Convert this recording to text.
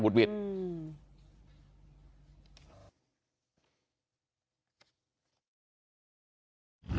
หุดวิน